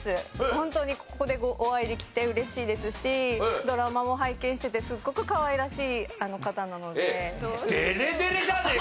ホントにここでお会いできて嬉しいですしドラマも拝見しててすっごくかわいらしい方なので。